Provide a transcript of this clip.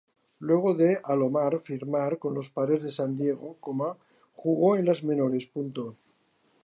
Luego de Alomar firmar con los Padres de San Diego, jugó en las menores.